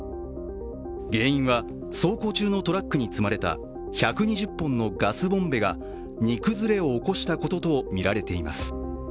原因は走行中のトラックに積まれた１２０本のガスボンベが荷崩れを起こしたこととみられています。